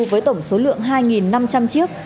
với tổng số lượng hai năm trăm linh chiếc